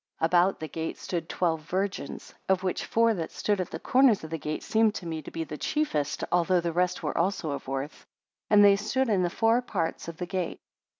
15 About the gate stood twelve virgins; of which four that stood at the corners of the gate, seemed to me to be the chiefest, although the rest were also of worth: and they stood in the four parts of the gate.